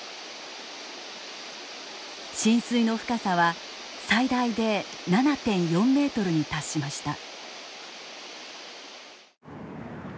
浸水の深さは最大で７．４ｍに達しました。